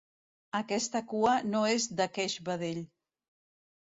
Aquesta cua no és d'aqueix vedell.